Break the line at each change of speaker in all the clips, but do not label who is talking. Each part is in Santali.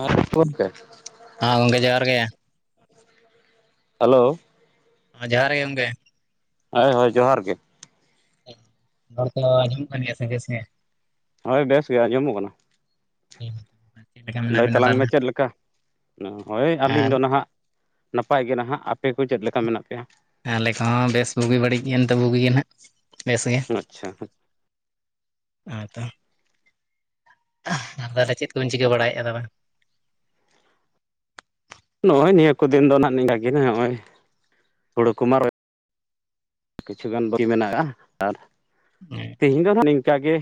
ᱟᱨ ᱜᱚᱢᱠᱮ
ᱦᱟᱸ ᱜᱚᱝᱠᱮ ᱡᱚᱦᱟᱨ ᱜᱮ᱾
ᱦᱟᱞᱳᱶ
ᱡᱚᱦᱟᱨ ᱜᱮ ᱜᱚᱝᱠᱮ
ᱦᱳᱭ ᱦᱳᱭ ᱡᱚᱦᱟᱨ ᱜᱮ
ᱨᱚᱲ ᱠᱚ ᱟᱸᱡᱚᱢᱚᱜ ᱠᱟᱱ ᱜᱮᱭᱟ ᱥᱮ ᱵᱮᱥ ᱜᱮ
ᱦᱳᱭ ᱵᱮᱥ ᱜᱮ ᱟᱸᱡᱚᱢᱚᱜ ᱠᱟᱱᱟ᱾
[unintelligible]
ᱞᱟᱹᱭ
ᱵᱤᱱᱟ
ᱛᱟᱞᱟᱝ ᱢᱮ
ᱛᱟᱦᱚᱞᱮ
ᱪᱮᱫ ᱞᱮᱠᱟ᱾ ᱦᱳᱭ ᱟᱹᱞᱤᱧ
ᱟᱨ
ᱫᱚ ᱱᱟᱦᱟᱜ ᱱᱟᱯᱟᱭ ᱜᱮ ᱱᱟᱦᱟᱜ ᱟᱯᱮ ᱠᱚ ᱪᱮᱫ ᱞᱮᱠᱟ ᱢᱮᱱᱟᱜ ᱯᱮᱭᱟ᱾
ᱟᱞᱮ ᱠᱚᱦᱚᱸ ᱵᱮᱥ ᱵᱩᱜᱤ ᱵᱟᱹᱲᱤᱡ ᱮᱱᱛᱮ ᱵᱩᱜᱤ ᱜᱮ ᱦᱟᱸᱜ ᱵᱮᱥ ᱜᱮ
ᱟᱪᱪᱷᱟ
ᱦᱳᱭ ᱛᱚ ᱟᱦᱻ ᱛᱟᱦᱚᱞᱮ ᱪᱮᱫ ᱠᱚᱵᱤᱱ ᱪᱤᱠᱟᱹ ᱵᱟᱲᱟᱭᱮᱜᱼᱟ ᱫᱚ ᱵᱟᱝ
ᱱᱚᱜᱼᱚᱭ ᱱᱤᱭᱟᱹ ᱠᱚ ᱫᱤᱱ ᱫᱚ ᱱᱟᱦᱟᱜ ᱱᱤᱝᱠᱟ ᱜᱮ ᱦᱟᱸᱜ ᱱᱚᱜᱼᱚᱭ ᱦᱩᱲᱩ ᱠᱚ ᱢᱟ ᱠᱤᱪᱷᱩ ᱜᱟᱱ ᱵᱟᱠᱤ ᱢᱮᱱᱟᱜᱼᱟ ᱟᱨ
[inaudible]
ᱛᱮᱦᱤᱧ ᱫᱚ ᱱᱟᱸᱜ ᱱᱤᱝᱠᱟ ᱜᱮ,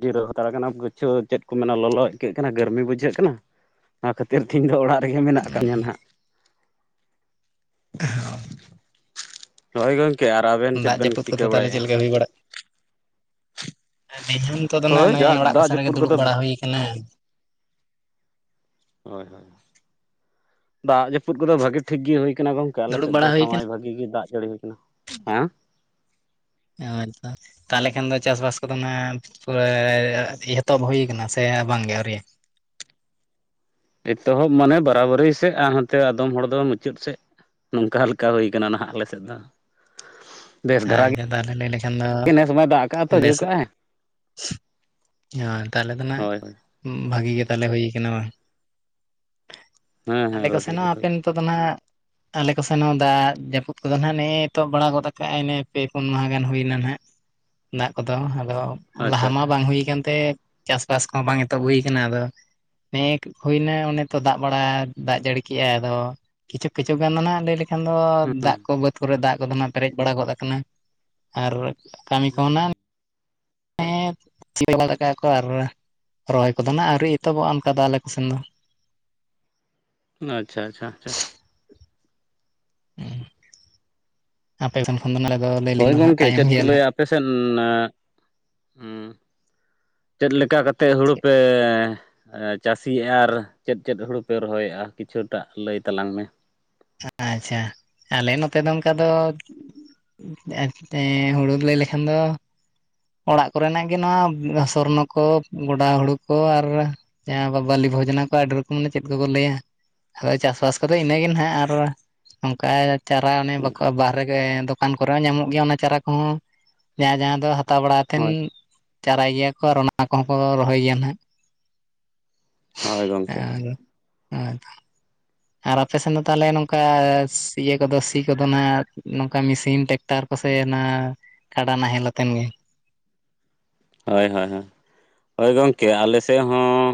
ᱡᱤᱨᱟᱹᱣ ᱦᱟᱛᱟᱲ ᱠᱟᱱᱟ ᱵᱚ ᱜᱟᱹᱪᱷᱭᱟᱣ ᱪᱮᱫ ᱠᱚ ᱢᱮᱱᱟ ᱞᱚᱞᱚ ᱟᱹᱭᱠᱟᱹᱜ ᱠᱟᱱᱟ ᱜᱟᱨᱢᱤ ᱵᱩᱡᱷᱟᱹᱜ ᱠᱟᱱᱟ᱾ ᱚᱱᱟ ᱠᱷᱟᱹᱛᱤᱨ ᱛᱮ ᱤᱧ ᱫᱚ ᱚᱲᱟᱜ ᱨᱮᱜᱮ ᱢᱮᱱᱟᱜ ᱟᱠᱟ ᱫᱤᱧᱟ ᱱᱷᱟᱸᱜ᱾ ᱱᱚᱜᱼᱚᱭ ᱜᱚᱢᱠᱮ ᱟᱨ ᱟᱵᱮᱱ ᱪᱮᱫ
ᱫᱟᱜ
ᱵᱮᱱ
ᱡᱟᱹᱯᱩᱫ
ᱪᱤᱠᱟᱹ
ᱠᱚᱫᱚ ᱛᱟᱦᱚᱞᱮ
ᱵᱟᱲᱟᱭᱮᱜᱼᱟ?
ᱪᱮᱫ ᱞᱮᱠᱟ ᱦᱩᱭ ᱵᱟᱲᱟᱜ ᱟᱹᱞᱤᱧ ᱦᱚᱸ ᱱᱤᱛᱚᱜ ᱫᱚ ᱱᱟᱸᱜ
ᱦᱳᱭ
ᱱᱚᱜᱼᱚᱭ ᱚᱲᱟᱜ
ᱫᱟᱜ
ᱠᱚᱥᱮᱱ ᱨᱮᱜᱮ
ᱡᱟᱹᱯᱩᱫ
ᱫᱩᱲᱩᱵ
ᱠᱚᱫᱚ
ᱵᱟᱲᱟ ᱦᱩᱭ ᱭᱟᱠᱟᱱᱟ᱾
ᱦᱳᱭ ᱦᱳᱭ! ᱫᱟᱜ ᱡᱟᱯᱩᱫ ᱠᱚᱫᱚ ᱵᱷᱟᱜᱤ ᱴᱷᱤᱠ ᱜᱮ ᱦᱩᱭᱠᱟᱱᱟ ᱜᱚᱝᱠᱮ
ᱫᱩᱲᱩᱵ
ᱟᱞᱮᱥᱮᱫ ᱫᱚ
ᱵᱟᱲᱟ ᱦᱩᱭ ᱟᱠᱟᱱᱟ
ᱥᱚᱢᱚᱭ ᱵᱷᱟᱜᱤ ᱜᱮ ᱫᱟᱜ ᱡᱟᱹᱲᱤ ᱦᱩᱭᱟᱱᱟ ᱦᱮᱸ?
ᱦᱮᱸ ᱛᱚ ᱛᱟᱦᱚᱞᱮ ᱠᱷᱟᱱ ᱫᱚ ᱪᱟᱥᱵᱟᱥ ᱠᱚᱫᱚ ᱯᱩᱨᱟᱹ ᱮᱛᱚᱦᱚᱵ ᱦᱩᱭ ᱠᱟᱱᱟ ᱥᱮ ᱵᱟᱝᱜᱮ ᱟᱹᱣᱨᱤ᱾
ᱮᱛᱚᱦᱚᱵ ᱢᱟᱱᱮ ᱵᱟᱨᱟᱵᱟᱹᱨᱤ ᱥᱮᱫ ᱟᱨ ᱦᱟᱱᱛᱮ ᱟᱫᱚᱢ ᱦᱚᱲ ᱫᱚ ᱢᱩᱪᱟᱹᱫ ᱥᱮᱫ ᱱᱚᱝᱠᱟ ᱞᱮᱠᱟ ᱦᱩᱭ ᱠᱟᱱᱟ ᱱᱟᱦᱟᱸᱜ ᱟᱞᱮ ᱥᱮᱫ ᱫᱚ
[inaudible]
ᱵᱮᱥ ᱫᱷᱟᱨᱟ
[unintelligible] ᱞᱟᱹᱭ ᱞᱮᱠᱷᱟᱱ ᱫᱚ
ᱜᱮ ᱱᱮᱥ ᱢᱟᱭ ᱫᱟᱜ ᱠᱟᱜᱼᱟ ᱛᱚ ᱡᱟᱹᱲᱤ
ᱵᱮᱥ
ᱠᱟᱜᱼᱟᱭ
ᱦᱚᱭ ᱛᱟᱦᱚᱞᱮ ᱫᱚ ᱱᱟᱜ
ᱦᱳᱭ ᱦᱳᱭ
ᱵᱷᱟᱜᱤ ᱜᱮ ᱛᱟᱞᱮ ᱦᱩᱭ ᱠᱟᱱᱟ ᱵᱟᱝ᱾
ᱦᱮᱸ ᱦᱮᱸ
ᱟᱞᱮ ᱠᱚ
ᱵᱷᱟᱜᱤ ᱜᱮ
ᱥᱮᱱᱚᱜᱼᱟ
ᱦᱩᱭ
ᱟᱯᱮᱱ ᱱᱮᱫᱚ ᱱᱟᱦᱟᱜ ᱟᱞᱮ ᱠᱚ ᱥᱮᱱᱦᱚᱸ ᱫᱟᱜ ᱡᱟᱹᱯᱩᱫ ᱠᱚᱫᱚ ᱱᱤᱛᱚᱦᱚᱵ ᱵᱟᱲᱟ ᱜᱚᱫ ᱟᱠᱚ [unintelligible] ᱯᱮ ᱯᱩᱱ ᱢᱟᱦᱟ ᱜᱟᱱ ᱦᱩᱭᱮᱱᱟ ᱱᱟᱦᱟᱜ ᱫᱟᱜ ᱠᱚᱫᱚ ᱟᱫᱚ
ᱠᱟᱱᱟ
ᱞᱟᱦᱟ
ᱟᱪᱪᱷᱟ
ᱢᱟ ᱵᱟᱝ ᱦᱩᱭ ᱠᱟᱱᱛᱮ ᱪᱟᱥᱵᱟᱥ ᱠᱚᱦᱚᱸ ᱵᱟᱝ ᱮᱛᱚᱦᱚᱵ ᱦᱩᱭ ᱠᱟᱱᱟ ᱟᱫᱚ, ᱱᱮ ᱮᱠ ᱦᱩᱭᱮᱱᱟ, ᱚᱱᱮ ᱛᱚ ᱫᱟᱜ ᱵᱟᱲᱟ ᱫᱟᱜ ᱡᱟᱹᱲᱤ ᱠᱮ ᱟᱭ ᱟᱫᱚ, ᱠᱤᱪᱷᱩᱠ ᱠᱤᱪᱷᱩᱠ ᱜᱟᱱ ᱚᱱᱟ ᱞᱟᱹᱭ ᱞᱮᱠ- ᱮᱱᱠᱷᱟᱱ ᱫᱚ ᱫᱟᱜ
ᱦᱮᱸ
ᱠᱚ ᱵᱟᱹᱫᱽ ᱠᱚᱨᱮ ᱫᱟᱜ ᱠᱚᱫᱚ ᱱᱟᱦᱟᱸᱜ ᱯᱮᱨᱮᱡ ᱵᱟᱲᱟ ᱜᱚᱫ ᱟᱠᱟᱱᱟ, ᱟᱨ ᱠᱟᱹᱢᱤ ᱠᱚᱦᱚᱸ ᱱᱟᱝ ᱦᱮᱸ [inaudible] ᱥᱤ ᱵᱟᱲᱟ ᱜᱚᱫ ᱟᱠᱟᱜ ᱟᱠᱚ ᱟᱨ ᱨᱚᱦᱚᱭ ᱠᱚᱫᱚ ᱱᱟᱜ ᱟᱹᱣᱨᱤ ᱮᱛᱚᱦᱚᱵᱚᱜᱼᱟ, ᱚᱱᱠᱟ ᱫᱚ ᱟᱞᱮ ᱠᱚᱥᱮᱱ ᱫᱚ᱾
ᱟᱪᱷᱟ ᱪᱷᱟ ᱪᱷᱟ
ᱟᱯᱮ ᱥᱮᱱ ᱠᱷᱚᱱ ᱫᱚ ᱱᱚᱰᱮ ᱫᱚ ᱞᱟᱹᱭᱧ ᱫᱚ ᱱᱟ ᱛᱟᱭᱚᱢ ᱜᱮᱭᱟᱞᱮᱼᱼ
ᱯᱮᱥᱮᱱ ᱦᱮᱸᱼᱼ ᱪᱮᱫ ᱞᱮᱠᱟ ᱠᱟᱛᱮᱫ ᱦᱩᱲᱩ ᱯᱮᱼᱼ ᱪᱟᱹᱥᱤᱭᱟ ᱟᱨ ᱪᱮᱫ ᱪᱮᱫ ᱦᱩᱲᱩ ᱯᱮ ᱨᱚᱦᱚᱭᱮᱫᱼᱟ ᱠᱤᱪᱷᱩ ᱴᱟᱜ ᱞᱟᱹᱭ ᱛᱟᱞᱟᱝ ᱢᱮ?
ᱟᱪᱪᱷᱟ ᱟᱞᱮ ᱱᱚᱛᱮ ᱫᱚ ᱚᱱᱠᱟ ᱫᱚᱼᱼ ᱮᱛᱮ ᱦᱩᱲᱩ ᱞᱟᱹᱭ ᱞᱮᱠᱷᱟᱱ ᱫᱚᱼᱼ ᱚᱲᱟᱜ ᱠᱚᱨᱮ ᱱᱟᱜ ᱜᱮ ᱱᱚᱣᱟ ᱥᱚᱨᱱᱚ ᱠᱚ ᱜᱚᱰᱟ ᱦᱩᱲᱩ ᱠᱚ ᱟᱨᱼᱼ ᱡᱟᱦᱟᱸ ᱵᱟᱞᱤ ᱵᱷᱚᱡᱚᱱᱟ ᱠᱚ ᱟᱹᱰᱤ ᱨᱚᱠᱚᱢ ᱢᱟᱱᱮ ᱪᱮᱫ ᱠᱚᱠᱚ ᱞᱟᱹᱭᱟ ᱟᱫᱚ ᱪᱟᱥ ᱵᱟᱥ ᱠᱚᱫᱚ ᱤᱱᱟᱹᱜᱮ ᱱᱟᱜᱼᱼ ᱚᱱᱠᱟ ᱪᱟᱨᱟ ᱚᱱᱮ ᱵᱟᱠᱚ ᱵᱟᱨᱦᱮᱼᱼ ᱦᱮᱸ ᱫᱚᱠᱟᱱ ᱠᱚᱨᱮ ᱦᱚᱸ ᱧᱟᱢᱚᱜ ᱜᱮᱭᱟ ᱚᱱᱟ ᱪᱟᱨᱟ ᱠᱚᱦᱚᱸ ᱡᱟᱦᱟᱸ ᱡᱟᱦᱸᱟ ᱫᱚ ᱦᱟᱛᱟᱣ ᱵᱟᱲᱟ ᱠᱟᱛᱮᱱᱼᱼ
ᱦᱳᱭ
ᱪᱟᱨᱟᱭ ᱜᱮᱭᱟ ᱠᱚ ᱟᱨ ᱚᱱᱟ ᱠᱚᱦᱚᱸ ᱠᱚ ᱨᱚᱦᱚᱭ ᱜᱮᱭᱟ ᱱᱟᱦᱟᱜᱼᱼ
ᱦᱳᱭ ᱜᱚᱝᱠᱮ ᱦᱳᱭ
[inaudible] ᱟᱨ ᱟᱯᱮᱥᱮᱱ ᱫᱚ ᱛᱟᱦᱚᱞᱮ ᱱᱚᱝᱠᱟ ᱤᱭᱟᱹ ᱠᱚᱫᱚ ᱥᱤ ᱠᱚᱫᱚ ᱱᱟᱜ ᱱᱚᱝᱠᱟ ᱢᱤᱥᱤᱱ ᱴᱮᱠ ᱴᱟᱨᱼᱼ ᱥᱮ ᱚᱱᱟ ᱠᱟᱰᱟ ᱱᱟᱦᱮᱞ ᱟᱛᱮᱱ ᱜᱮᱼᱼ
ᱦᱳᱭ ᱦᱳᱭ ᱦᱳᱭ ᱦᱚᱭ ᱜᱚᱢᱠᱮ ᱟᱞᱮᱥᱮᱫ ᱦᱚᱸᱼᱼ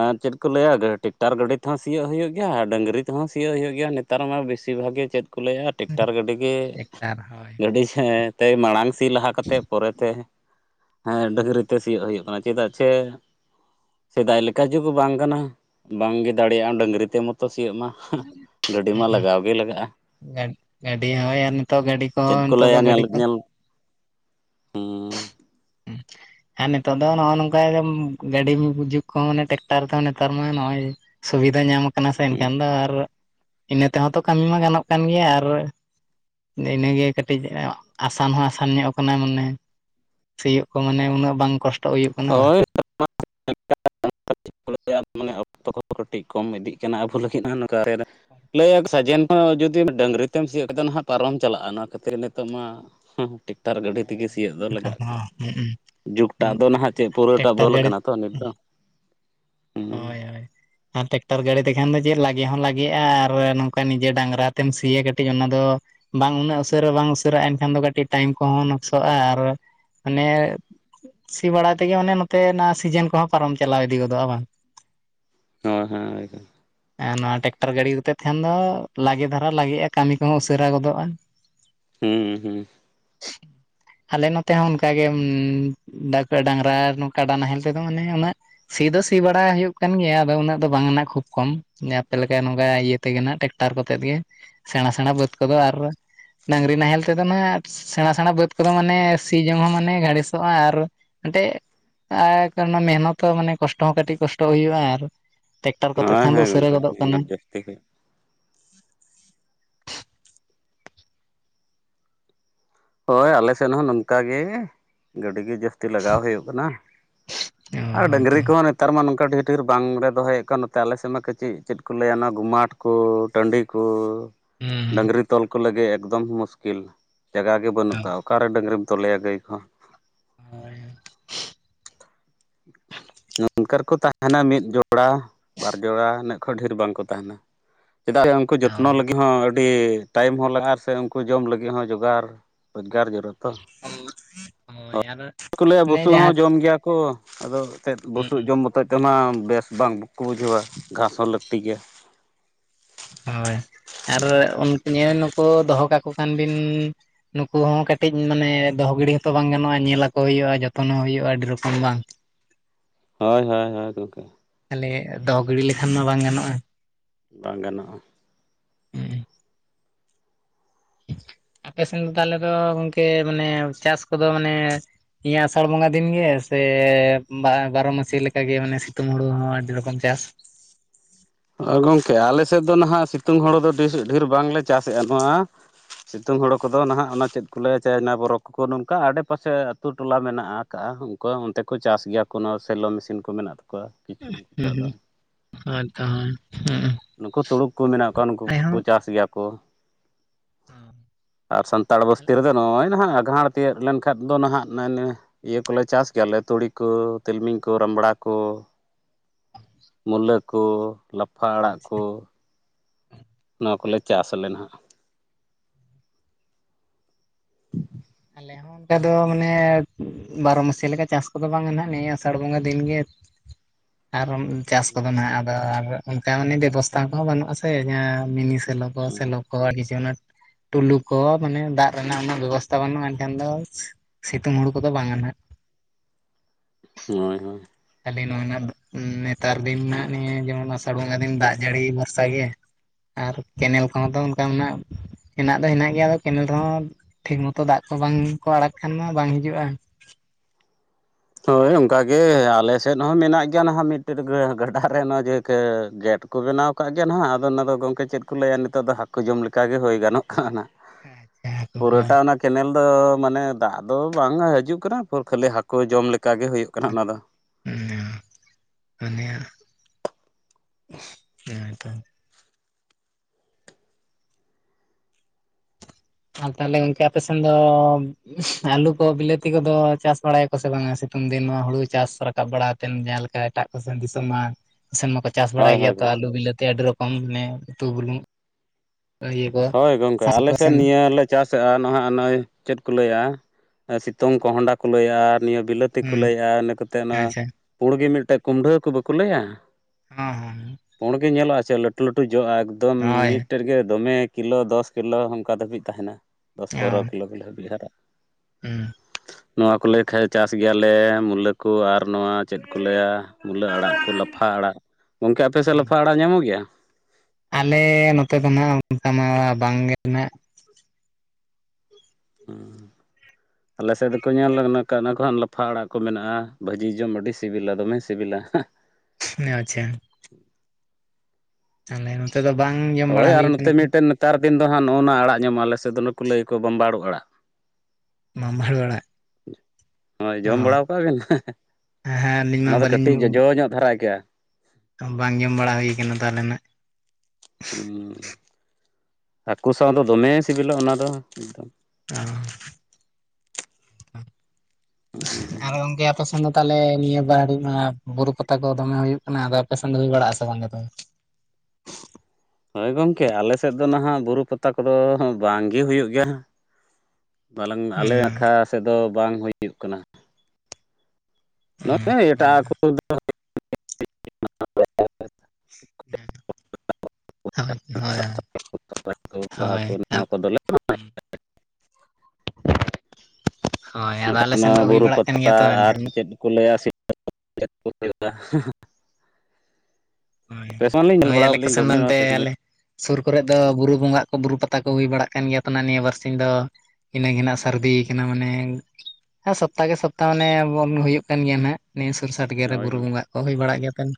ᱟᱨ ᱪᱮᱫ ᱠᱚ ᱞᱟᱹᱭᱟ ᱴᱮᱠᱴᱟᱨ ᱜᱟᱹᱰᱤ ᱛᱮᱦᱚᱸ ᱥᱤᱭᱳᱜ ᱦᱩᱭᱩᱜ ᱜᱮᱭᱟ ᱟᱨ ᱰᱟᱹᱝᱨᱤ ᱛᱮᱦᱚᱸ ᱥᱤᱭᱳᱜ ᱦᱩᱭᱩᱜ ᱜᱮᱭᱟ ᱱᱮᱼᱼ ᱱᱮᱛᱟᱨ ᱢᱟ ᱵᱮᱥᱤ ᱵᱷᱟᱜᱮ ᱪᱮᱫ ᱠᱚ ᱞᱟᱹᱭᱟᱼᱼ ᱴᱮᱠᱴᱟᱨ ᱜᱟᱹᱰᱤᱜᱮ
ᱴᱮᱠᱴᱟᱨ ᱦᱳᱭ
ᱜᱟᱹᱰᱤ ᱛᱮ ᱢᱟᱲᱟᱝ ᱥᱤ ᱞᱟᱦᱟ ᱠᱟᱛᱮᱫ ᱯᱚᱨᱮ ᱛᱮ, ᱦᱮᱸ
ᱦᱳᱭ
ᱰᱟᱹᱝᱨᱤ ᱛᱮ ᱥᱤᱭᱳᱜ ᱦᱩᱭᱩᱜ ᱠᱟᱱᱟ ᱪᱮᱫᱟᱜ ᱪᱷᱮᱼᱼ ᱥᱮᱫᱟᱭ ᱞᱮᱠᱟ ᱡᱩᱜᱠ ᱵᱟᱝ ᱠᱟᱱᱟ ᱵᱟᱝᱜᱮ ᱫᱟᱲᱮ ᱭᱟᱜᱼᱟ ᱰᱟᱹᱝᱨᱤ ᱛᱮ ᱛᱚ ᱥᱤᱭᱚᱜ ᱢᱟ ᱦᱟᱸᱜ ᱜᱟᱹᱰᱤ ᱢᱟ ᱞᱟᱜᱟᱣ ᱜᱮ ᱞᱟᱜᱟᱜᱼᱟ᱾
ᱜᱟᱹᱰᱤ ᱦᱚᱸ ᱱᱤᱛᱚᱜ ᱜᱟᱹᱰᱤ ᱠᱚ
ᱪᱮᱫ
ᱱᱤᱛᱚᱜ ᱫᱚ
ᱞᱟᱹᱭᱟ ᱧᱮᱞ
ᱜᱟᱹᱰᱤ ᱠᱚᱼᱼ
ᱧᱮᱞ ᱦᱩᱸ
ᱦᱮᱸ ᱱᱤᱛᱚᱜ ᱫᱚ ᱱᱚᱜᱼᱚᱭ ᱱᱚᱝᱠᱟ ᱜᱟᱹᱰᱤ ᱡᱩᱜ ᱠᱚᱦᱚᱸ ᱢᱟᱱᱮ ᱴᱮᱠᱴᱟᱨ ᱛᱮᱦᱚᱸ ᱱᱮᱛᱟᱨ ᱢᱟ ᱱᱚᱜᱼᱚᱭᱼᱼ ᱥᱩᱵᱤᱫᱷᱟ ᱧᱟᱢ ᱠᱟᱱᱟ ᱥᱮ ᱮᱱᱠᱷᱟᱱ ᱫᱚ ᱟᱨ ᱤᱱᱟᱹ ᱛᱮᱦᱚᱸ ᱛᱚ ᱠᱟᱹᱢᱤ ᱢᱟ ᱜᱟᱱᱚᱜ ᱠᱟᱱ ᱜᱮᱭᱟ ᱟᱨᱼᱼ ᱱᱮ ᱤᱱᱟᱹᱜᱮ ᱠᱟᱹᱴᱤᱡ ᱟᱥᱟᱱ ᱦᱚᱸ ᱟᱥᱟᱱ ᱧᱚᱜ ᱠᱟᱱᱟ ᱢᱟᱱᱮ ᱥᱤᱭᱳᱜ ᱠᱚ ᱢᱟᱱᱮᱼᱼ ᱩᱱᱟᱹᱜ ᱵᱟᱝ ᱠᱚᱥᱴᱚᱜ ᱦᱩᱭᱩᱜ ᱠᱟᱱᱟ
ᱦᱳᱭ ᱢᱟᱱᱮ ᱚᱠᱛᱚ ᱠᱟᱹᱴᱤᱡ ᱠᱚᱢ ᱤᱫᱤᱜ ᱠᱟᱱᱟ ᱟᱵᱚ ᱞᱟᱹᱜᱤᱫ ᱱᱚᱝᱠᱟ ᱞᱟᱹᱭᱟ ᱥᱟᱡᱮᱱ ᱦᱚᱸ ᱡᱩᱫᱤ ᱰᱟᱹᱝᱨᱤ ᱛᱮᱢ ᱥᱤᱭᱳᱜ ᱠᱷᱟᱡᱫᱚ ᱱᱟᱦᱟᱜ ᱯᱟᱨᱚᱢ ᱪᱟᱞᱟᱜᱼᱟ ᱚᱱᱟ ᱠᱷᱟᱹᱛᱤᱨ ᱱᱤᱛᱚᱜ ᱢᱟ ᱦᱩᱸ ᱦᱩᱸ ᱴᱷᱤᱠ᱾ ᱱᱮᱛᱟᱨ ᱜᱟᱹᱰᱤ ᱛᱮᱜᱮ ᱥᱤᱭᱳᱜ ᱫᱚ
ᱮᱱᱠᱷᱟᱱ
ᱞᱟᱜᱟᱜ-ᱟ,
ᱦᱚᱸ
ᱡᱩᱜᱽᱴᱟᱜ ᱫᱚ ᱱᱟᱦᱟᱜ ᱪᱮᱫ ᱯᱩᱨᱟᱹᱴᱟ
ᱴᱮᱠᱴᱟᱨ
ᱫᱚᱞ
ᱜᱟᱹᱰᱤ
ᱟᱠᱟᱱᱟ ᱛᱚ ᱱᱤᱛ ᱫᱚ᱾
ᱦᱳᱭ ᱦᱳᱭ, ᱦᱟᱱᱛᱮ ᱴᱟᱠᱴᱟᱨ ᱜᱟᱲᱤ ᱛᱮᱠᱷᱟᱱ ᱫᱚ ᱪᱮᱫ ᱞᱟᱜᱮ ᱦᱚᱸ ᱞᱟᱜᱮᱜ-ᱟ ᱟᱨ ᱱᱚᱝᱠᱟ ᱱᱤᱡᱮ ᱰᱟᱝᱨᱟ ᱛᱮᱢ ᱥᱤᱭᱟ ᱠᱟᱹᱴᱤᱡ ᱚᱱᱟ ᱫᱚ ᱵᱟᱝ ᱩᱱᱟᱹᱜ ᱩᱥᱟᱹᱨᱟ ᱵᱟᱝ ᱩᱥᱟᱹᱨᱟᱜ-ᱟ, ᱮᱱᱠᱷᱟᱱ ᱫᱚ ᱠᱟᱹᱴᱤᱡ ᱴᱟᱭᱤᱢ ᱠᱚᱦᱚᱸ ᱱᱚᱠᱥᱚᱜᱼᱟ, ᱟᱨ ᱢᱟᱱᱮ ᱥᱤ ᱵᱟᱲᱟᱭ ᱛᱮᱜᱮ ᱢᱚᱱᱮ ᱱᱚᱛᱮ ᱥᱤᱡᱮᱱ ᱠᱚᱦᱚᱸ ᱯᱟᱨᱚᱢ ᱪᱟᱞᱟᱣ ᱤᱫᱤ ᱜᱚᱫᱚᱜᱼᱟ ᱵᱟᱝ
ᱦᱮᱸ ᱦᱮᱸ ᱦᱩᱭ ᱠᱟᱱᱟ᱾
ᱮᱸ ᱱᱚᱣᱟ ᱴᱮᱠᱴᱟᱨ ᱜᱟᱲᱤ ᱠᱚᱛᱮᱜ ᱠᱷᱟᱱ ᱫᱚ ᱞᱟᱜᱮ ᱫᱷᱟᱨᱟ ᱞᱟᱜᱮᱜᱼᱟ ᱠᱟᱹᱢᱤ ᱠᱚᱦᱚᱸ ᱩᱥᱟᱹᱨᱟ ᱜᱚᱫᱚᱜᱼᱟ [unintelligible]
ᱦᱩᱸ ᱦᱩᱸ᱾
[inaudible] ᱟᱞᱮ ᱱᱚᱛᱮ ᱦᱚᱸ ᱚᱱᱠᱟ ᱜᱮ ᱰᱟᱝᱨᱟ ᱠᱟᱰᱟ ᱱᱟᱦᱮᱞ ᱛᱮᱫᱚ ᱢᱟᱱᱮ ᱩᱱᱟᱹᱜ ᱥᱤ ᱫᱚ ᱥᱤ ᱵᱟᱲᱟ ᱦᱩᱭᱩᱜ ᱠᱟᱱ ᱜᱮᱭᱟ, ᱟᱫᱚ ᱩᱱᱟᱹᱜ ᱫᱚ ᱵᱟᱝ ᱠᱷᱩᱵ ᱠᱚᱢ, ᱟᱯᱮ ᱞᱮᱠᱟ ᱱᱚᱝᱠᱟ ᱤᱭᱟᱹ ᱛᱮᱜᱮ ᱱᱟᱜ ᱴᱮᱠᱴᱟᱨ ᱠᱚᱛᱮ ᱜᱮ ᱥᱮᱬᱟ ᱥᱮᱬᱟ ᱵᱟᱹᱫᱽ ᱠᱚᱫᱚ ᱟᱨᱚ ᱰᱟᱹᱝᱨᱤ ᱱᱟᱦᱮᱞ ᱛᱮᱫᱚ ᱱᱟᱜ ᱥᱮ ᱥᱮᱬᱟ ᱥᱮᱬᱟ ᱵᱟᱹᱫᱽ ᱠᱚᱫᱚ ᱢᱟᱱᱮ ᱥᱤ ᱡᱚᱝ ᱦᱚᱸ ᱢᱟᱱᱮ ᱟᱲᱮᱥᱚᱜ-ᱟ ᱟᱨ ᱢᱮᱱᱴᱮᱪ ᱟ ᱢᱮᱦᱱᱚᱛ ᱦᱚᱸ ᱢᱟᱱᱮ ᱠᱚᱥᱴᱚ ᱦᱚᱸ ᱠᱟᱹᱴᱤᱡ ᱠᱚᱥᱴᱚ ᱦᱩᱭᱩᱜᱼᱟ᱾ᱟᱨ ᱴᱮᱠᱴᱟᱨ ᱠᱚᱛᱮᱫ ᱠᱷᱟᱱ ᱫᱚ ᱩᱥᱟᱹᱨᱟ ᱜᱚᱫᱚᱜ ᱠᱟᱱᱟ᱾
ᱛᱮᱜ ᱦᱳᱭᱳᱜ ᱦᱳᱭ ᱟᱞᱮᱥᱱ ᱦᱚᱸ ᱱᱚᱝᱠᱟ ᱜᱮ ᱜᱟᱹᱰᱤ ᱜᱮ ᱡᱟ ᱛᱤ ᱞᱟᱜᱟᱣ ᱦᱳᱭᱳᱜ ᱠᱟᱱᱟ,
ᱚ
ᱟᱨ
ᱦᱳᱭᱛᱚ
ᱰᱟᱝᱨᱤ ᱠᱚᱦᱚᱸ ᱱᱮᱛᱟᱨ ᱢᱟ ᱱᱚᱝᱠᱟ ᱰᱷᱮᱨ ᱰᱷᱮᱨ ᱵᱟᱝᱞᱮ ᱫᱚᱦᱚᱭᱮᱫ ᱠᱚᱣᱟ ᱱᱚᱛᱮ ᱟᱞᱮᱥᱮᱫ ᱢᱟ ᱠᱟᱹᱪᱤᱡ ᱪᱮᱫ ᱠᱚ ᱞᱟᱹᱭᱟ ᱚᱱᱟ ᱜᱩᱢᱟᱴ ᱠᱚ ᱴᱟᱺᱰᱤ ᱠᱚ
ᱦᱩᱸ
ᱰᱝᱨᱤ ᱛᱚᱞ ᱠᱚ ᱞᱟᱹᱜᱤᱫ ᱮᱠᱫᱚᱢ ᱢᱩᱥᱠᱤᱞ ᱡᱟᱜᱟ ᱵᱟᱹᱱᱩᱜ ᱠᱟᱜ-ᱟ ᱚᱠᱟᱨᱮ ᱰᱟᱹᱝᱨᱤᱢ ᱛᱚᱞᱮᱭᱟ ᱜᱟᱹᱭ ᱠᱚᱦᱚᱸ?
ᱦᱳᱭ
ᱱᱚᱝᱠᱟ ᱨᱮᱠᱚ ᱛᱟᱦᱮᱸ ᱛᱟᱦᱮᱱᱟ ᱢᱤᱫ ᱡᱚᱲᱟ ᱵᱟᱨ ᱡᱚᱲᱟ ᱤᱱᱟᱹᱜ ᱠᱷᱚᱱ ᱰᱷᱮᱨ ᱵᱟᱝᱠᱚ ᱛᱟᱦᱮᱱᱟ᱾ ᱪᱮᱫᱟᱜ ᱭᱟ ᱩᱱᱠᱩ ᱡᱚᱛᱱᱚ ᱞᱟᱹᱜᱤᱫ ᱦᱚᱸ ᱟᱹᱰᱤ ᱴᱟᱭᱤᱢ ᱦᱚᱸ ᱞᱟᱜᱟᱜ-ᱟ ᱥᱮ ᱩᱱᱠᱩ ᱡᱚᱢ ᱞᱟᱹᱜᱤᱫ ᱦᱚᱸ ᱡᱚᱜᱟᱨ ᱩᱫᱜᱟᱨ ᱡᱚᱨ ᱛᱚ, ᱚ
ᱦᱳᱭ ᱟᱨ
ᱠᱚ ᱞᱟᱹᱭᱟ
ᱚᱱᱮ
ᱵᱩᱥᱩᱵ ᱦᱚᱸ
ᱡᱟᱦᱟᱸ
ᱡᱚᱢ ᱜᱮᱭᱟ᱾ ᱠᱚ ᱟᱫᱚ ᱮᱱᱛᱮᱫ
ᱦᱩᱸ
ᱵᱩᱥᱩᱵ
ᱦᱩᱸ
ᱡᱚᱢ ᱢᱚᱛ ᱦᱚᱛᱚᱡ ᱛᱮ ᱢᱟ ᱵᱮᱥ ᱵᱟᱝᱠᱚ ᱵᱩᱡᱷᱟᱹᱣ-ᱟ ᱜᱷᱟᱸᱥ ᱦᱚᱸ ᱞᱟᱹᱠᱛᱤ ᱜᱮ᱾
ᱦᱳᱭ ᱟᱨ ᱩᱱᱠᱩ ᱱᱤᱭᱮ ᱫᱚᱦᱚ ᱠᱟᱠᱚ ᱠᱷᱟᱱ ᱵᱤᱱ ᱱᱩᱠᱩ ᱦᱚᱸ ᱠᱟᱹᱴᱤᱡ ᱢᱟᱱᱮ ᱫᱚᱦᱚ ᱜᱤᱲᱤ ᱦᱚᱸᱛᱚ ᱵᱟᱝ ᱜᱟᱱᱚᱜ-ᱟ, ᱧᱮᱞ ᱟᱠᱚ ᱦᱩᱭᱩᱜᱼᱟ, ᱡᱚᱛᱚᱱ ᱦᱚᱸ ᱦᱩᱭᱩᱜᱼᱟ ᱟᱰᱤ ᱨᱚᱠᱚᱢ ᱵᱟᱝ? [unintelligible]
ᱦᱳᱭ ᱦᱳᱭ ᱦᱳᱭ ᱜᱚᱢᱠᱮ᱾
ᱛᱟᱦᱞᱮ ᱫᱚᱦᱚ ᱜᱤᱲᱤ ᱞᱮᱠᱷᱟᱱ ᱢᱟ ᱵᱟᱝ ᱜᱟᱱᱚᱜᱼᱟ᱾
ᱵᱟᱝ ᱜᱟᱱᱚᱜᱼᱟ᱾
[unintelligible] ᱟᱯᱮ ᱥᱮᱱ ᱫᱚ ᱛᱟᱦᱞᱮ ᱫᱚ ᱜᱚᱝᱠᱮ ᱢᱟᱱᱮ ᱪᱟᱥ ᱠᱚᱫᱚ ᱢᱟᱱᱮ ᱱᱤᱭᱟᱹ ᱟᱥᱟᱲ ᱵᱚᱸᱜᱟ ᱫᱤᱱ ᱜᱮ ᱥᱮ ᱵᱟᱨᱚ ᱢᱥᱤ ᱞᱮᱠᱟᱜᱮ ᱢᱟᱱᱮ ᱥᱤᱛᱩᱝ ᱦᱩᱲᱩ ᱦᱚᱸ ᱟᱹᱰᱤ ᱨᱚᱠᱚᱢ ᱪᱟᱥ?
ᱦᱳᱭ ᱜᱚᱝᱠᱮ ᱟᱯᱮ ᱥᱮᱫ ᱫᱚ ᱱᱟᱦᱟᱜ ᱥᱤᱛᱤᱝ ᱦᱩᱲᱩ ᱫᱚ ‌ᱰᱷᱮᱨ ᱵᱟᱝᱞᱮ ᱪᱟᱥᱮᱫ-ᱟ ᱱᱚᱣᱟ ᱥᱤᱛᱩᱝ ᱦᱳᱲᱳ ᱠᱚᱫᱚ ᱱᱟᱦᱟᱜ ᱚᱱᱟ ᱪᱮᱫ ᱠᱚ ᱞᱟᱹᱭᱟ ᱪᱮ ᱵᱚᱨᱚ ᱠᱚᱠᱚ ᱱᱚᱝᱠᱟ ᱟᱰᱮᱯᱟᱥᱮ ᱟᱛᱳ ᱴᱚᱞᱟ ᱢᱮᱱᱟᱜ ᱟᱠᱟᱫᱼᱟ ᱩᱱᱠᱩ ᱚᱱᱛᱮ ᱠᱚ ᱪᱟᱥ ᱜᱮᱭᱟ ᱠᱚ ᱱᱚᱣᱟ ᱥᱮᱞᱚ ᱢᱮᱥᱤᱱ ᱠᱚ ᱢᱮᱱᱟᱜ ᱛᱟᱠᱚᱣᱟ ᱾
ᱩᱸᱜ ᱦᱩᱸ [inaudible]
ᱱᱩᱠᱩ ᱛᱩᱲᱩᱠ ᱠᱩ ᱢᱮᱱᱟᱜ ᱠᱚᱣᱟ, ᱱᱩᱠᱩ
ᱟᱞᱮ
ᱠᱩᱠᱩ
ᱦᱚᱸ
ᱪᱟᱥ ᱜᱮᱭᱟ ᱠᱚ᱾ ᱟᱨ ᱥᱟᱱᱛᱟᱲ ᱵᱚᱥᱛᱤ ᱨᱮᱫᱚ ᱱᱚᱜᱼᱚᱭ ᱱᱟᱦᱟᱜ ᱟᱜᱷᱟᱸᱲ ᱛᱤᱭᱟᱹᱜ ᱞᱮᱱ ᱠᱷᱟᱜ ᱫᱚ ᱱᱟᱦᱟᱜ ᱢᱮᱱᱮ ᱤᱭᱟᱹ ᱠᱚᱞᱮ ᱪᱟᱥ ᱜᱮᱭᱟᱞᱮ ᱛᱩᱲᱤ ᱠᱚ, ᱛᱤᱞᱢᱤᱧ ᱠᱚ ᱨᱟᱢᱲᱟ ᱠᱚ᱾ ᱢᱩᱞᱟᱹ ᱠᱚ, ᱞᱟᱯᱷᱟ ᱟᱲᱟᱜ ᱠᱚ,
ᱟᱪᱪᱷᱟ
ᱱᱚᱣᱟ ᱠᱚᱞᱮ ᱪᱟᱥ ᱟᱞᱮ ᱱᱟᱸᱦᱟᱜ
ᱟᱞᱮ ᱦᱚᱸ ᱚᱱᱠᱟ ᱫᱚ ᱢᱟᱱᱮ ᱵᱟᱨᱚ ᱢᱟᱥᱤ ᱞᱮᱠᱟ ᱪᱟᱥ ᱠᱚᱫᱚ ᱵᱟᱝ ᱟᱜ ᱱᱤᱭᱟᱹ ᱟᱥᱟᱲ ᱵᱚᱸᱜᱟ ᱫᱤᱱ ᱜᱮ ᱟᱨ ᱪᱟᱥ ᱠᱚᱫᱚ ᱱᱟᱦᱟᱜ ᱟᱫᱚ ᱟᱨ ᱚᱱᱠᱟ ᱢᱟᱱᱮ ᱵᱮᱵᱚᱥᱛᱟ ᱠᱚᱦᱚᱸ ᱵᱟᱹᱱᱩᱜᱼᱟ ᱥᱮ ᱮᱸᱻ ᱢᱤᱱᱤᱥ ᱥᱮᱞᱚ ᱠᱚ ᱥᱮᱞᱚ ᱠᱚ ᱟᱹᱰᱤ ᱴᱩᱞᱩ ᱠᱚ ᱢᱟᱱᱮ ᱫᱟᱜ ᱨᱮᱱᱟᱜ ᱚᱱᱟ ᱵᱮᱵᱚᱥ ᱥᱟᱢᱟᱱᱱᱚ ᱵᱟᱝ ᱠᱷᱟᱱ ᱫᱚ ᱥᱤᱛᱩᱝ ᱦᱩᱲᱩ ᱠᱚᱫᱚ ᱵᱟᱝ ᱟᱱᱟᱜ᱾
ᱦᱚᱭ ᱦᱚᱭ᱾
ᱛᱟᱦᱚᱞᱮ ᱱᱚᱣᱟ ᱨᱮᱱᱟᱜ ᱫᱚ ᱱᱮᱛᱟᱨ ᱫᱤᱱ ᱢᱟ ᱱᱤᱭᱟᱹ ᱡᱮᱢᱚᱱ ᱟᱥᱟᱲ ᱵᱚᱸᱜᱟ ᱫᱤᱱ ᱫᱟᱜ ᱡᱟᱹᱲᱤ ᱵᱷᱚᱨᱥᱟ ᱜᱮ᱾ ᱟᱨ ᱠᱮᱱᱮᱞ ᱠᱚᱦᱚᱸ ᱛᱚ ᱚᱱᱠᱟ ᱢᱟᱱᱟᱜ ᱦᱮᱱᱟᱜ ᱫᱚ ᱦᱮᱱᱟᱜ ᱜᱮᱭᱟ ᱟᱫᱚ ᱠᱮᱱᱮᱞ ᱨᱮᱦᱚ ᱴᱷᱤᱠ ᱢᱚᱛᱚ ᱫᱟᱜ ᱠᱚ ᱵᱟᱝ ᱠᱚ ᱟᱲᱟᱜ ᱠᱷᱟᱱ ᱢᱟ ᱵᱟᱝ ᱦᱤᱡᱩᱜᱼᱟ᱾
ᱦᱚᱭ ᱚᱱᱠᱟ ᱜᱮ ᱟᱞᱮ ᱥᱮᱫ ᱦᱚᱸ ᱢᱮᱱᱟᱜ ᱜᱮᱭᱟ ᱱᱟᱦᱟᱜ ᱢᱤᱫ ᱴᱮᱱ ᱜᱟᱰᱟ ᱨᱮ ᱱᱚᱜ ᱡᱮ ᱜᱮᱴ ᱾ ᱠᱚ ᱵᱮᱱᱟᱣ ᱟᱠᱟᱜ ᱜᱮᱭᱟ ᱱᱟᱦᱟᱜ ᱟᱫᱚ ᱚᱱᱟᱫᱚ ᱜᱚᱝᱠᱮ ᱪᱮᱫ ᱠᱚ ᱞᱟᱹᱭᱟ ᱱᱤᱛᱚᱜ ᱫᱚ ᱦᱟᱹᱠᱩ ᱡᱚᱢ ᱞᱮᱠᱟᱜᱮ ᱦᱩᱭ ᱜᱟᱱᱚᱜ ᱠᱟᱱᱟ᱾
ᱟᱪᱪᱷᱟ ᱦᱟᱹᱠᱩ ᱠᱚ
ᱯᱩᱨᱟᱹᱴᱟᱜ ᱚᱱᱟ ᱠᱮᱱᱮᱞ ᱫᱚ ᱢᱟᱱᱮ ᱫᱟᱜ ᱫᱚ ᱵᱟᱝ ᱦᱤᱡᱩᱜ ᱠᱟᱱᱟ ᱯᱚᱨ ᱠᱷᱟᱹᱞᱤ ᱦᱟᱹᱠᱩ ᱡᱚᱢ ᱞᱮᱠᱟ ᱜᱮ ᱦᱩᱭᱩᱜ ᱠᱟᱱᱟ ᱚᱱᱟ ᱫᱚ ᱾
[unintelligible] ᱟᱨ ᱛᱟᱦᱚᱞᱮ ᱠᱚᱝᱠᱮ ᱟᱯᱮ ᱥᱮᱱ ᱫᱚ ᱟᱞᱩ ᱠᱚ ᱵᱤᱞᱟᱹᱛᱤ ᱠᱚᱫᱚ ᱪᱟᱥ ᱵᱟᱲᱟᱭᱟ ᱠᱚ ᱥᱮ ᱵᱟᱝ-ᱟ, ᱥᱤᱛᱩᱝ ᱫᱤᱱ ᱱᱚᱣᱟ ᱦᱩᱲᱩ ᱪᱟᱥ ᱨᱟᱠᱟᱵ ᱵᱟᱲᱟ ᱡᱟᱦᱟ ᱞᱮᱠᱟ ᱮᱴᱟᱜ ᱠᱚ ᱥᱮᱱ ᱫᱤᱥᱚᱢ ᱢᱟ ᱪᱟᱥ
ᱦᱳᱭ
ᱵᱟᱲᱟᱭ
ᱦᱳᱭ
ᱜᱮᱭᱟ ᱛᱚ
ᱜᱚᱢᱠᱮ
ᱟᱞᱩ ᱵᱤᱞᱟᱹᱛᱤ ᱟᱹᱰᱤ ᱨᱚᱠᱚᱢ ᱢᱟᱱᱮ ᱩᱛᱩ ᱵᱩᱞᱩᱝ ᱤᱭᱟᱹ
ᱦᱚᱭ ᱜᱚᱝᱠᱮ ᱟᱞᱮ
ᱠᱚ
ᱥᱮᱫ
ᱥᱮᱱ
ᱱᱤᱭᱟᱹ ᱞᱮ ᱪᱟᱥ ᱟᱨ ᱱᱚᱦᱟᱜ ᱱᱚᱜᱼᱚᱭ ᱪᱮᱫ ᱠᱚ ᱞᱟᱹᱭᱟ, ᱥᱤᱛᱩᱝ ᱠᱚᱦᱚᱸᱰᱟ ᱠᱚ ᱞᱟᱹᱭᱟ ᱟᱨ ᱱᱤᱭᱟᱹ ᱵᱤᱞᱟᱹᱛ ᱛᱮ ᱠᱚ
ᱦᱩᱸ
ᱞᱟᱹᱭᱟ ᱤᱱᱟᱹ ᱠᱟᱛᱮᱫ ᱚᱱᱟ
ᱟᱪᱪᱷᱟ
ᱯᱩᱲᱜᱮ ᱢᱤᱫᱴᱮᱡ ᱠᱩᱢᱰᱷᱟᱹᱣ ᱠᱚ ᱵᱟᱠᱚ ᱞᱟᱹᱭᱟ?
[unintelligible]
ᱯᱩᱬ ᱜᱮ ᱧᱮᱞᱚᱜᱼᱟ ᱥᱮ ᱞᱟᱹᱴᱩ ᱞᱟᱹᱴᱩ ᱡᱚᱜᱼᱟ ᱮᱠᱫᱚᱢ
ᱦᱳᱭ
ᱢᱤᱫᱴᱮᱱ ᱜᱮ ᱫᱚᱢᱮ ᱠᱤᱞᱳ ᱫᱚᱥ ᱠᱤᱞᱳ ᱚᱱᱠᱟ ᱫᱷᱟᱹᱵᱤᱡ ᱛᱟᱦᱮᱱᱟ ᱫᱚᱥ ᱯᱚᱱᱨᱚ ᱠᱤᱞᱳ ᱠᱤᱞᱳ ᱫᱷᱟᱹᱵᱤᱡ ᱦᱟᱨᱟᱜᱼᱟ᱾
ᱦᱮᱸ
ᱱᱚᱣᱟ ᱠᱚ ᱞᱟᱹᱭ ᱠᱷᱟᱡ ᱪᱟᱥ ᱜᱮᱭᱟᱞᱮ ᱢᱩᱞᱟᱹ ᱠᱚ ᱟᱨ ᱱᱚᱣᱟ ᱪᱮᱫ ᱠᱚ ᱞᱟᱹᱭᱟ ᱢᱩᱞᱟᱹ ᱟᱲᱟᱜ ᱠᱚ ᱞᱟᱯᱷᱟ ᱟᱲᱟᱜ ᱜᱚᱝᱠᱮ ᱟᱯᱮ ᱥᱮᱫ ᱞᱟᱯᱷᱟ ᱟᱲᱟᱜ ᱧᱟᱢᱚᱜ ᱜᱮᱭᱟ?
ᱟᱞᱮ ᱱᱚᱛᱮ ᱫᱚ ᱱᱟᱜ ᱚᱱᱠᱟ ᱢᱟ ᱵᱟᱝᱜᱮ ᱱᱟᱜ
[unintelligible] ᱟᱞᱮ ᱥᱮᱫ ᱫᱚᱠᱚ ᱧᱮᱞ ᱚᱱᱟ ᱠᱚ, ᱚᱱᱟ ᱠᱚᱦᱟᱜ ᱞᱟᱯᱷᱟ ᱟᱲᱟᱜ ᱠᱚ ᱢᱮᱱᱟᱜᱼᱟ ᱵᱷᱟᱹᱡᱤ ᱡᱚᱢ ᱟᱹᱰᱤ ᱥᱤᱵᱤᱞᱟ ᱫᱚᱢᱮ ᱥᱤᱵᱤᱞᱟ᱾
[unintelligible] ᱛᱟᱦᱚᱞᱮ ᱚᱱᱛᱮ ᱫᱚ ᱵᱟᱝ ᱡᱚᱢ ᱵᱟᱲᱟ
ᱦᱳᱭ
ᱦᱩᱭ
ᱟᱨ
ᱟᱠᱟᱱᱟ
ᱱᱚᱛᱮ ᱢᱤᱫᱴᱮᱱ ᱱᱮᱛᱟᱨ ᱫᱤᱱ ᱫᱚ ᱦᱟᱸᱜ ᱱᱚᱜᱼᱱᱟ ᱟᱲᱟᱜ ᱧᱟᱢᱚᱜ ᱟᱞᱮ ᱥᱮᱫ ᱱᱩᱠᱩ ᱠᱚᱞᱟᱹᱭ ᱠᱚ ᱵᱟᱢᱵᱟᱲᱩ ᱟᱲᱟᱜ᱾
ᱵᱟᱢᱵᱟᱲᱩ ᱟᱲᱟᱜ᱾
ᱦᱳᱭ ᱡᱚᱢ ᱵᱟᱲᱟ ᱠᱟᱜᱼᱟ ᱵᱮᱱ,
ᱦᱮᱸ ᱟᱹᱞᱤᱧ ᱢᱟ
ᱚᱱᱟ ᱫᱚ
ᱵᱟᱹᱞᱤᱧ
ᱠᱟᱹᱴᱤᱡ ᱡᱚᱡᱚ ᱧᱚᱜ ᱫᱷᱟᱨᱟ ᱜᱮᱟ᱾
ᱵᱟᱝ ᱡᱚᱢ ᱵᱟᱲᱟ ᱦᱩᱭ ᱠᱟᱱᱟ ᱛᱟᱦᱚᱞᱮ ᱱᱟᱜ?
[unintelligible] ᱦᱟᱹᱠᱩ ᱥᱟᱣ ᱫᱚ ᱫᱚᱢᱮ ᱥᱤᱵᱤᱞᱟ ᱚᱱᱟ ᱫᱚ ᱮᱠᱫᱚᱢ ᱾
[unintelligible] ᱟᱨ ᱜᱚᱝᱠᱮ ᱟᱯᱮ ᱥᱮᱱ ᱫᱚ ᱛᱟᱦᱚᱞᱮ ᱱᱤᱭᱟᱹ ᱵᱟᱨ ᱢᱟ ᱵᱩᱨᱩ ᱯᱟᱛᱟ ᱠᱚ ᱫᱚᱢᱮ ᱦᱩᱭᱩᱜ ᱠᱟᱱᱟ ᱟᱫᱚ ᱟᱯᱮ ᱥᱮᱱ ᱫᱚ ᱦᱩᱭ ᱵᱟᱲᱟᱜᱼᱟ ᱥᱮ ᱵᱟᱝ ᱜᱮ ᱛᱟᱦᱚᱞᱮ?
ᱦᱳᱭ ᱜᱚᱢᱠᱮ ᱟᱞᱮ ᱥᱮᱫ ᱫᱚ ᱱᱟᱦᱟᱜ ᱵᱩᱨᱩ ᱯᱟᱛᱟ ᱠᱚᱫᱚ ᱵᱟᱝ ᱜᱮ ᱦᱩᱭᱩᱜ ᱜᱮᱭᱟ᱾ ᱵᱟᱞᱟᱝ ᱟᱞᱮ ᱟᱠᱷᱟ ᱥᱮᱫ ᱫᱚ ᱵᱟᱝ ᱦᱩᱭᱩᱜ ᱠᱟᱱᱟ ᱾ ᱱᱚᱜᱼᱚᱭ
ᱦᱳᱭ
ᱮᱴᱟᱜ ᱠᱚᱫᱚ
[unintelligible] [unintelligible] ᱦᱚᱭ ᱦᱚᱭ [unintelligible] ᱦᱚᱭ [unintelligible]
[unintelligible]
ᱦᱳᱭ
[inaudible]
ᱟᱫᱚ
ᱮᱠᱷᱟᱱ
ᱟᱞᱮ ᱥᱮᱱ
ᱱᱚᱣᱟ
ᱫᱚ ᱦᱩᱭ
ᱵᱩᱨᱩ
ᱵᱟᱲᱟᱜ ᱠᱟᱱ
ᱯᱟᱛᱟ
ᱜᱮᱭᱟ ᱛᱚ
ᱟᱨ
ᱮᱱᱠᱷᱟᱱ
ᱪᱮᱫ ᱠᱚ ᱞᱟᱹᱭᱟ [unintelligible]
ᱦᱳᱭ
ᱟᱯᱮ ᱥᱮᱱ ᱞᱤᱧ ᱧᱮᱞ
ᱦᱳᱭ
ᱵᱟᱲᱟ
ᱟᱞᱮ
ᱞᱤᱧ
ᱠᱚᱥᱮᱱ
ᱫᱚᱢᱮ ᱱᱚᱣᱟ
ᱢᱮᱱᱛᱮ
ᱥᱳᱥᱟᱞ
ᱟᱞᱮ ᱥᱩᱨ ᱠᱚᱨᱮ ᱫᱚ ᱵᱩᱨᱩ ᱵᱚᱸᱜᱟ ᱵᱩᱨᱩ ᱯᱟᱛᱟ ᱠᱚ ᱦᱩᱭ ᱵᱟᱲᱟᱜ ᱠᱟᱱ ᱜᱮᱭᱟ ᱛᱚ ᱱᱤᱭᱟᱹ ᱵᱟᱨᱥᱤᱧ ᱫᱚ ᱤᱱᱟᱹ ᱜᱮᱱᱟᱜ ᱥᱟᱹᱨᱫᱤ ᱠᱟᱱᱟ ᱢᱟᱱᱮ ᱥᱚᱯᱛᱟᱠᱮ ᱥᱚᱯᱛᱟ ᱢᱟᱱᱮ ᱵᱚᱱ ᱦᱩᱭᱩᱜ ᱠᱟᱱ ᱜᱮᱭᱟ ᱱᱟᱦᱟᱜ ᱱᱤᱭᱟᱹ ᱥᱩᱨᱥᱟᱴ ᱜᱮ
ᱢᱤᱰᱤᱭᱟ
ᱨᱮ
ᱦᱳᱭ
ᱵᱩᱨᱩ
ᱜᱚᱢᱠᱮ
ᱵᱚᱸᱜᱟᱜ ᱠᱚ ᱦᱩᱭ ᱵᱟᱲᱟᱜ ᱜᱮᱭᱟ ᱛᱟᱦᱚᱞᱮ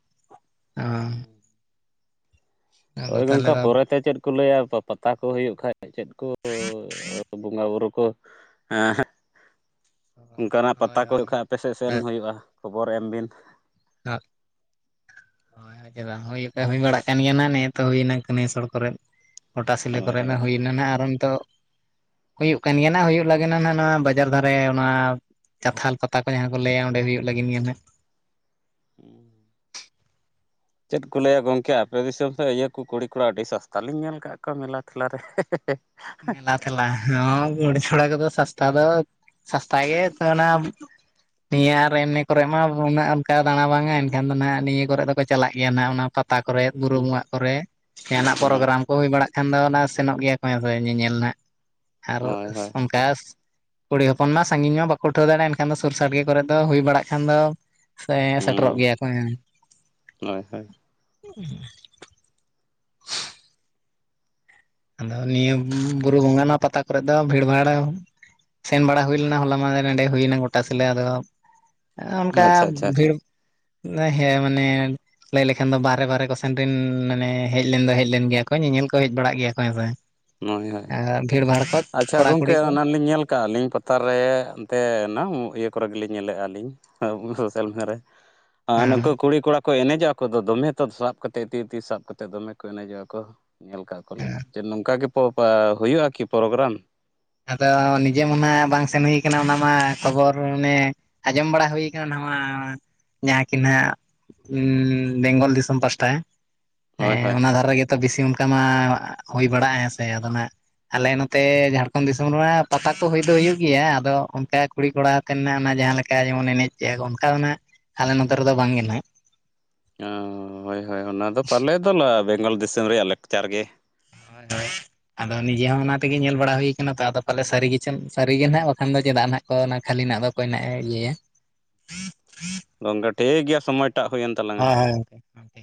ᱟᱫᱚ
ᱳᱭ ᱜᱚᱢᱠᱮ
ᱫᱚ
ᱯᱚᱨᱮᱛᱮ ᱪᱮᱫ ᱠᱚ ᱞᱟᱹᱭᱟ ᱯᱟᱛᱟ ᱠᱚ ᱦᱩᱭᱩᱜ ᱠᱷᱟ ᱪᱮᱫ ᱠᱚ ᱵᱚᱸᱜᱟᱵᱩᱨᱩ ᱠᱚ ᱮᱸ ᱦᱮᱸᱜ ᱚᱱᱠᱟᱱᱟᱜ ᱯᱟᱛᱟ
ᱦᱳᱭ
ᱠᱚ
ᱦᱳᱭ
ᱦᱩᱭᱩᱜ ᱠᱷᱟᱱ ᱟᱯᱮ ᱥᱮᱫ ᱥᱮᱱ ᱦᱩᱭᱩᱜᱼᱟ ᱠᱷᱚᱵᱚᱨ ᱮᱢ ᱵᱤᱱ?
ᱟᱜ ᱪᱮᱫ ᱵᱟᱝ ᱦᱩᱭ ᱵᱟᱲᱟᱜ ᱠᱟᱱ ᱜᱮᱭᱟ ᱱᱚᱜᱼᱚᱭ ᱛᱚ ᱠᱟ. ᱱᱟᱭᱥᱟᱳᱨ ᱠᱚᱨᱮ ᱜᱚᱴᱟ ᱥᱤᱞᱟᱹ
ᱦᱳᱭ ᱦᱳᱭ
ᱠᱚᱨᱮᱱᱟᱜ ᱦᱩᱭᱱᱟ ᱱᱟᱜ ᱟᱨᱚ ᱱᱤᱛᱚᱜ ᱦᱩᱭᱩᱜ ᱠᱟᱱ ᱜᱮᱭᱟ ᱦᱩᱭᱩᱜ ᱞᱟᱹᱜᱤᱫ ᱱᱟᱜ ᱱᱚᱣᱟ ᱵᱟᱡᱟᱨ ᱫᱷᱟᱨᱮ ᱱᱚᱣᱟᱼᱼ ᱠᱟᱛᱷᱟᱞ ᱯᱟᱛᱟ ᱠᱚ ᱡᱟᱦᱟᱸ ᱠᱚ ᱞᱟᱹᱭᱟ ᱚᱸᱰᱮ ᱦᱩᱭᱩᱜ ᱞᱟᱹᱜᱤᱫ ᱜᱮᱭᱟ ᱦᱟᱸᱟᱜ
ᱪᱮᱫ ᱠᱚ ᱞᱟᱹᱭᱟ ᱜᱚᱢᱠᱮ ᱟᱯᱮ ᱫᱤᱥᱚᱢ ᱥᱮᱫ ᱤᱭᱟᱹ ᱠᱚ ᱠᱩᱲᱤ ᱠᱚᱲᱟ ᱟᱹᱰᱤ ᱥᱚᱥᱛᱟ ᱞᱤᱧ ᱧᱮᱞ ᱟᱠᱟᱫ ᱠᱚᱣᱟ ᱢᱮᱞᱟ ᱴᱷᱮᱞᱟᱨᱮ ᱦᱟ
ᱞᱟ ᱛᱷᱟᱞᱟ ᱜᱩᱲ ᱪᱷᱳᱚᱲ ᱠᱚᱫᱚ ᱥᱚᱥᱛᱟ ᱫᱚ ᱥᱚᱥᱛᱟ ᱜᱮ ᱚᱱᱟ ᱱᱤᱭᱟᱹ ᱟᱨ ᱮᱢᱱᱮ ᱠᱚᱨᱮ ᱢᱟ ᱩᱱᱟᱹᱜ ᱚᱱᱠᱟ ᱫᱟᱬᱟ ᱵᱟᱝᱟ ᱮᱱᱠᱷᱟᱱ ᱫᱚ ᱱᱟᱦᱟᱜ ᱱᱤᱭᱟᱹ ᱠᱚᱨᱮ ᱫᱚᱠᱚ ᱪᱟᱞᱟᱜ ᱜᱮᱭᱟ ᱦᱟᱱᱟᱜ ᱚᱱᱟ ᱯᱟᱛᱟ ᱠᱚᱨᱮ ᱵᱩᱨᱩ ᱵᱚᱸᱜᱟ ᱠᱚᱨᱮ ᱡᱟᱦᱟᱱᱟᱜ
ᱦᱳᱭ
ᱯᱨᱳᱜᱨᱟᱢ ᱠᱚ ᱦᱩᱭ ᱵᱟᱲᱟᱜ ᱠᱷᱟᱱ ᱫᱚ ᱚᱱᱟ ᱥᱮᱱᱚᱜ ᱜᱮᱭᱟ ᱠᱚ ᱧᱮᱧᱮᱞ ᱱᱟᱜ ᱟᱨᱚ
ᱦᱳᱭ ᱦᱳᱭ
ᱚᱱᱠᱟᱹ ᱠᱩᱲᱤ ᱦᱚᱯᱚᱱ ᱢᱟᱹ ᱥᱟᱺᱜᱤᱧ ᱢᱟ ᱵᱟᱠᱚ ᱩᱴᱷᱟᱹᱣ ᱫᱟᱲᱮᱭᱟᱜᱼᱟ ᱮᱱᱟᱱ ᱥᱩᱨ ᱥᱟᱸᱜᱮ ᱠᱚᱨᱮ ᱫᱚ ᱦᱩᱭ ᱵᱟᱲᱟᱜ ᱠᱷᱟᱱ ᱫᱚ ᱾ ᱥᱮᱸ ᱥᱮᱴᱮᱨᱚᱜ
ᱦᱩᱸ
ᱜᱮᱭᱟ ᱠᱚ ᱦᱮᱸ
ᱦᱳᱭ ᱦᱳᱭ
ᱟᱫᱚ ᱱᱤᱭᱟᱹ ᱵᱩᱨᱩ ᱵᱚᱸᱜᱟᱱᱟ ᱯᱟᱛᱟ ᱠᱚᱨᱮᱫ ᱫᱚ ᱵᱷᱤᱲ ᱵᱷᱟᱲ ᱾ ᱥᱮᱱ ᱵᱟᱲᱟ ᱦᱩᱭ ᱞᱮᱱᱟ ᱦᱚᱞᱟ ᱢᱟᱱᱫᱷᱮᱨ ᱱᱚᱰᱮ ᱦᱩᱭᱱᱟ ᱜᱚᱴᱟ ᱥᱤᱞᱮ ᱟᱫᱚ ᱾ ᱚᱱᱠᱟ
ᱟᱪᱪᱷᱟ ᱟᱪᱪᱷᱟ ᱟᱪᱪᱷᱟ
ᱵᱷᱤᱲ [unintelligible] ᱦᱮᱸ ᱢᱟᱱᱮ ᱞᱟᱹᱭ ᱞᱮᱠᱷᱟᱱ ᱫᱚ ᱵᱟᱦᱨᱮ ᱵᱟᱦᱨᱮ ᱠᱚ ᱥᱮᱱ ᱨᱮᱱ ᱢᱟᱱᱮ ᱦᱮᱡ ᱞᱮᱱ ᱫᱚ ᱦᱮᱡ ᱞᱮᱱ ᱜᱮᱭᱟ ᱠᱚ ᱧᱮᱧᱮᱞ ᱠᱚ ᱦᱮᱡ ᱵᱟᱲᱟᱜ ᱜᱮᱭᱟ ᱠᱚ ᱦᱳᱭ ᱦᱚ
ᱦᱳᱭ ᱦᱳᱭ
ᱵᱷᱤᱲ ᱵᱷᱟᱲ ᱠᱚ
ᱟᱪᱪᱷᱟ
ᱠᱚᱲᱟ
ᱜᱚᱸᱢᱠᱮ
ᱠᱩᱲᱤ ᱠᱚ
ᱚᱱᱟᱞᱤᱧ ᱧᱮᱞ ᱠᱚ ᱪᱟᱜ ᱟᱹᱞᱤᱧ ᱯᱟᱛᱟᱨ ᱨᱮ ᱮᱱᱛᱮᱱᱟ ᱤᱭᱟᱹ ᱠᱚᱨᱮ ᱜᱮᱞᱤᱧ ᱧᱮᱞᱮᱫᱼᱟ ᱞᱤᱧ ᱾ ᱥᱳᱥᱟᱞ ᱢᱤᱰᱤᱭᱟ ᱨᱮ ᱟᱨ
ᱦᱮᱸ
ᱱᱩᱝᱠᱩ ᱠᱩᱲᱤ ᱠᱚᱲᱟ ᱠᱚ ᱠᱚ ᱮᱱᱮᱡᱟᱜ ᱟᱠᱚᱫᱚ ᱫᱚᱢᱮ ᱠᱚ ᱥᱟᱵ ᱠᱟᱛᱮᱫ ᱛᱤᱛᱤ ᱥᱟᱵ ᱠᱟᱛᱮᱫ ᱫᱚᱢᱮ ᱠᱚ ᱮᱱᱮᱡᱚᱜᱼᱟ ᱠᱚ ᱧᱮᱞ ᱠᱟᱜ ᱠᱚᱣᱟᱞᱤᱧ ᱡᱮ ᱱᱚᱝᱠᱟ ᱜᱮ ᱦᱩᱭᱩᱜ-ᱟ ᱠᱤ ᱯᱨᱳᱜᱟᱨᱟᱢ
ᱟᱫᱚ ᱱᱤᱡᱮ ᱢᱟᱱᱮ ᱵᱟᱝ ᱥᱮᱱ ᱦᱩᱭ ᱠᱟᱱᱟ ᱚᱱᱟ ᱢᱟ ᱠᱷᱚᱵᱚᱨ ᱚᱱᱮ ᱟᱸᱡᱚᱢ ᱵᱟᱲᱟ ᱦᱩᱭ ᱠᱟᱱᱟ ᱱᱟᱣᱟ ᱡᱟᱦᱟᱸ ᱠᱤᱱ ᱦᱟᱸᱜ ᱩᱸᱻ ᱵᱮᱝᱜᱚᱞ ᱫᱤᱥᱚᱢ ᱯᱟᱥᱴᱟ ᱦᱮᱸ
ᱦᱳᱭ
ᱦᱮᱸ
ᱦᱳᱭ
ᱚᱱᱟ ᱫᱷᱟᱨᱟ ᱜᱮ ᱵᱮᱥᱤ ᱚᱱᱠᱟ ᱢᱟ ᱦᱩᱭ ᱵᱟᱲᱟᱜᱼᱟ ᱦᱮᱸ ᱥᱮ ᱟᱫᱚ ᱱᱟᱜ ᱟᱞᱮ ᱱᱚᱛᱮ ᱡᱷᱟᱲᱠᱷᱚᱱᱵ ᱡᱷᱟᱨᱠᱷᱚᱱᱰ ᱫᱤᱥᱚᱢ ᱨᱮᱱᱟᱜ ᱯᱟᱛᱟ ᱠᱚ ᱦᱩᱭ ᱫᱚ ᱦᱩᱭᱩᱜ ᱜᱮᱭᱟ ᱟᱫᱚ ᱚᱱᱠᱟ ᱠᱩᱲᱤ ᱠᱚᱲᱟᱛᱮᱱᱟᱜ ᱚᱱᱟ ᱡᱟᱦᱟᱸ ᱞᱮᱠᱟ ᱡᱮᱢᱚᱱ ᱮᱱᱮᱡ ᱡᱮ ᱚᱱᱠᱟ ᱟᱞᱮ ᱱᱚᱛᱮ ᱨᱮᱫᱚ ᱵᱟᱝ ᱜᱮ ᱱᱟᱜ
ᱚᱸ ᱦᱚᱭ ᱦᱚᱭ ᱚᱱᱟᱫᱚ ᱯᱟᱞᱮᱫ ᱫᱚ ᱵᱮᱝᱜᱚᱞ ᱫᱤᱥᱚᱢ ᱨᱮᱭᱟᱜ ᱞᱟᱠᱪᱟᱨ ᱜᱮ ᱾
ᱟᱡ [inaudible] ᱟᱫᱚ ᱱᱤᱡᱮ ᱦᱚᱸ ᱚᱱᱟ ᱛᱮᱜᱮ ᱧᱮᱞ ᱵᱟᱲᱟ ᱦᱩᱭ ᱟᱠᱟᱱᱟ ᱛᱚ ᱟᱫᱚ ᱯᱟᱞᱮ ᱥᱟᱹᱨᱤ ᱜᱮᱪᱮ ᱥᱟᱹᱨᱤᱜ ᱜᱮ ᱱᱟᱦᱟᱜ ᱵᱟᱠᱷᱟᱱ ᱫᱚ ᱪᱮᱫᱟᱜ ᱱᱟᱜ ᱚ ᱚᱱᱟ ᱠᱷᱟᱹᱞᱤ ᱱᱟᱜ ᱫᱚ ᱚᱠᱚᱭ ᱱᱟᱦᱜᱼ ᱮ ᱤᱭᱟᱹᱭ ᱟ
ᱜᱚᱝᱠᱮ ᱴᱷᱤᱠ ᱜᱮᱭᱟ ᱥᱚᱢᱚᱭᱴᱟᱜ ᱦᱩᱭᱮᱱ ᱛᱟᱞᱟᱝᱟ
ᱦᱳᱭ
᱾
ᱦᱳᱭ ᱜᱚᱝᱠᱮ